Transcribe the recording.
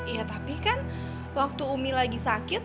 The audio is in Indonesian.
iya tapi kan waktu umi lagi sakit